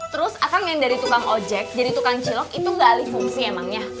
terus akan yang dari tukang ojek jadi tukang cilok itu gak alih fungsi emangnya